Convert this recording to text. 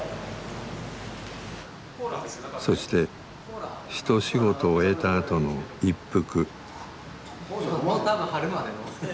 そしてひと仕事終えたあとの一服。